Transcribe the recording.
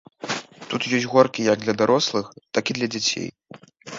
Тут ёсць горкі як для дарослых, так і для дзяцей.